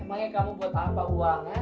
emangnya kamu buat apa uang ya